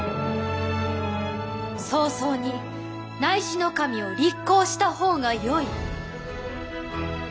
早々に尚侍を立后した方がよい。